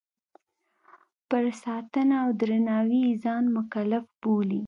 پر ساتنه او درناوي یې ځان مکلف بولي.